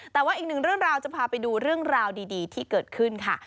แต่ว่าอีกหนึ่งเรื่องราวจะพาไปดูเรื่องราวดีที่เกิดขึ้นค่ะ